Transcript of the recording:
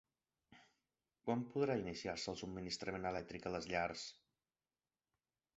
Quan podrà iniciar-se el subministrament elèctric a les llars?